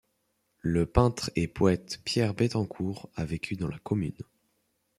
Le peintre et poète Pierre Bettencourt a vécu dans la commune.